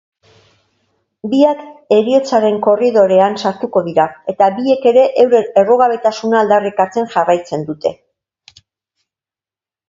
Biak heriotzaren korridorean sartuko dira eta biek ere euren errugabetasuna aldarrikatzen jarraitzen dute.